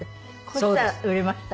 そしたら売れました？